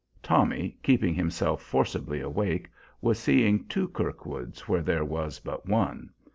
Tommy, keeping himself forcibly awake, was seeing two Kirkwoods where there was but one.